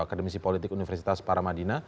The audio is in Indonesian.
akademisi politik universitas paramadina